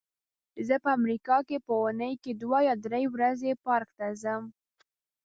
زه په امریکا کې په اوونۍ کې دوه یا درې ورځې پارک ته ځم.